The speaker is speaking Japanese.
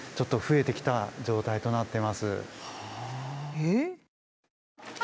えっ？